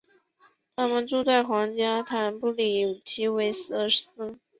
他们住在皇家坦布里奇韦尔斯。